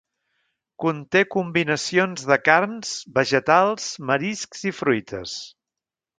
Conté combinacions de carns, vegetals, mariscs i fruites.